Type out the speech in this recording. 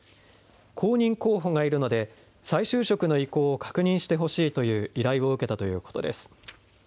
後任候補がいるので再就職の意向を確認してほしいという依頼を受けたということです。